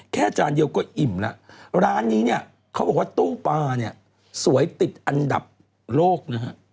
จานเดียวก็อิ่มแล้วร้านนี้เนี่ยเขาบอกว่าตู้ปลาเนี่ยสวยติดอันดับโลกนะฮะ